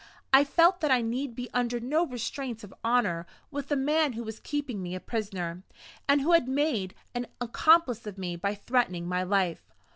I felt that I need be under no restraints of honor with a man who was keeping me a prisoner, and who had made an accomplice of me by threatening my life.